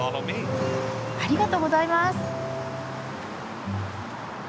ありがとうございます。